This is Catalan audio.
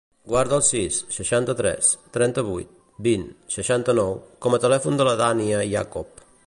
Guarda el sis, seixanta-tres, trenta-vuit, vint, seixanta-nou com a telèfon de la Dània Iacob.